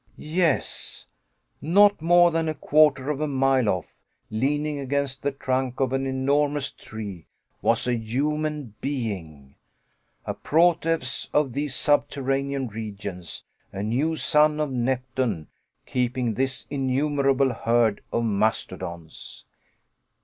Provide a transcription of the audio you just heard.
Yes not more than a quarter of a mile off, leaning against the trunk of an enormous tree, was a human being a Proteus of these subterranean regions, a new son of Neptune keeping this innumerable herd of mastodons.